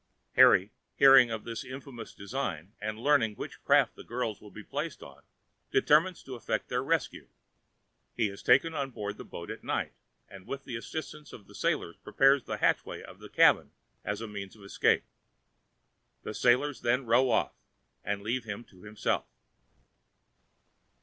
Harry, hearing of this infamous design, and learning which craft the girls were to be placed on, determines to effect their rescue. He is taken on board the boat at night, and with the assistance of the sailors prepares the hatchway of the cabin as a means of escape. The sailors then row off, and leave him to himself.